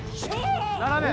斜め！